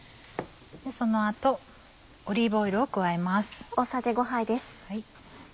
その後オリーブオイルを加えます。